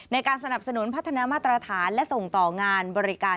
ในการสนับสนุนพัฒนามาตรฐานและส่งต่องานบริการ